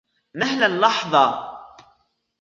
مهلا لحظة.